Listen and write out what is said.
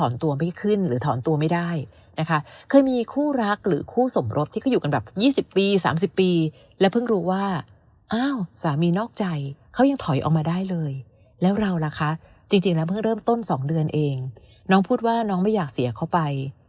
แล้วล่ะคะจริงจริงแล้วเพิ่งเริ่มต้นสองเดือนเองน้องพูดว่าน้องไม่อยากเสียเขาไป